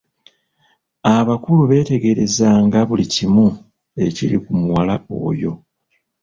Abakulu beetegerezanga buli kimu ekiri ku muwala oyo.